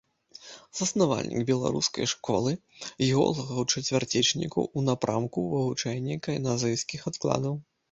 Заснавальнік беларускай школы геолагаў-чацвярцічнікаў і напрамку ў вывучэнні кайназойскіх адкладаў.